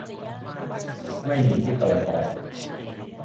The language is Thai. ไม่มีทิศตะวันออก